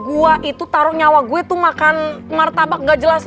gue itu taruh nyawa gue itu makan martabak gak jelas